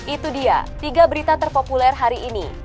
itu dia tiga berita terpopuler hari ini